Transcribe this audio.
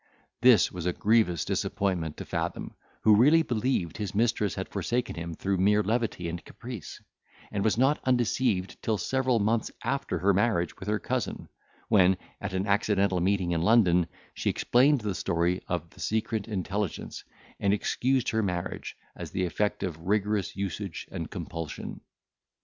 This was a grievous disappointment to Fathom, who really believed his mistress had forsaken him through mere levity and caprice, and was not undeceived till several months after her marriage with her cousin, when, at an accidental meeting in London, she explained the story of the secret intelligence, and excused her marriage, as the effect of rigorous usage and compulsion.